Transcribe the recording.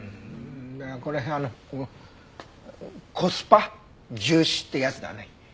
いやこれあのコスパ重視ってやつだね。